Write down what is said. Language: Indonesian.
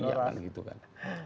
iya kan gitu kan